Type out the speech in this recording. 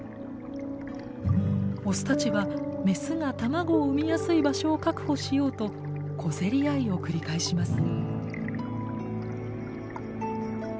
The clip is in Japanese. オスたちはメスが卵を産みやすい場所を確保しようと小競り合いを繰り返します。